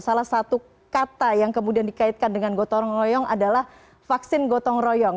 salah satu kata yang kemudian dikaitkan dengan gotong royong adalah vaksin gotong royong